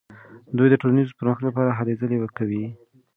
دوی د ټولنیز پرمختګ لپاره هلې ځلې کوي.